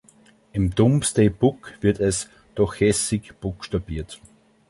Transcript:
Im Domesday Book wird es Dochesig buchstabiert.